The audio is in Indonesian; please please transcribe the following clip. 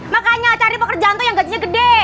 makanya cari pekerjaan tuh yang gajinya gede